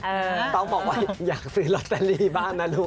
ต้องบอกว่าอยากซื้อลอตเตอรี่บ้างนะลูก